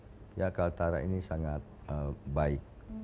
untuk potensi potensi ya kalimantan utara ini sangat baik